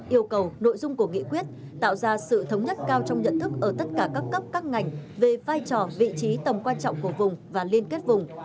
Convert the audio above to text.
yêu cầu nội dung của nghị quyết tạo ra sự thống nhất cao trong nhận thức ở tất cả các cấp các ngành về vai trò vị trí tầm quan trọng của vùng và liên kết vùng